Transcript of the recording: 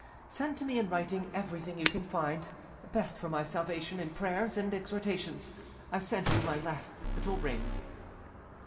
Send to me in writing everything you can find, best for my salvation, in prayers and exhortations, I send you my last little ring."